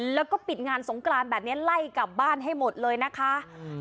แล้วก็ปิดงานสงกรานแบบนี้ไล่กลับบ้านให้หมดเลยนะคะอืม